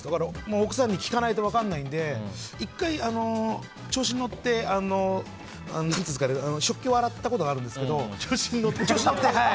奥さんに聞かないと分からないので１回、調子に乗って食器を洗ったことがあるんですけど。